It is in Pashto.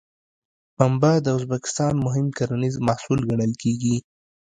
پنبه د ازبکستان مهم کرنیز محصول ګڼل کېږي.